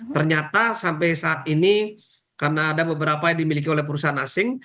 ternyata sampai saat ini karena ada beberapa yang dimiliki oleh perusahaan asing